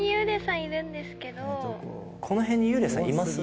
この辺に幽霊さんいます？